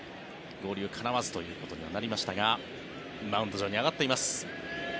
合流かなわずということになりましたがマウンド上に上がっています。